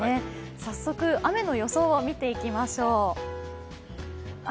早速、雨の予想を見ていきましょう。